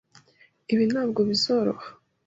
Ibi ntabwo bizoroha.